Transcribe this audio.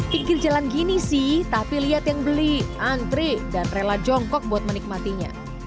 pikir jalan gini sih tapi lihat yang beli antri dan rela jongkok buat menikmatinya